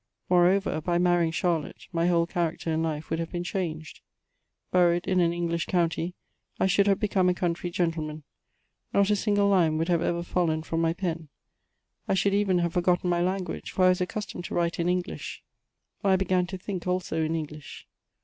Moreover, by marrying Charlotte, my whole character in life would have been changed ; buried in an English county, I should have become a country gentleman : not a single line would have ever fallen from my pen ; I should even have forgotten my language, for I was accustomed to write in English, and I CHATEAUBRIAND. 391 began to think also in English.